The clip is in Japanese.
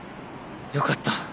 よかった。